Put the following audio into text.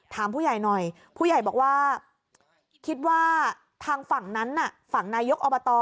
ถามผู้ใหญ่หน่อยผู้ใหญ่บอกว่าคิดว่าทางฝั่งนั้นน่ะฝั่งนายกอบต